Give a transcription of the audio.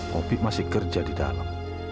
hobi masih kerja di dalam